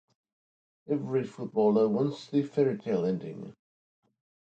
Every footballer wants the fairytale ending.